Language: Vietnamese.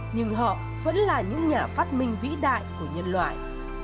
nhưng họ vẫn là những nhà phát minh vĩ đại của nhân loại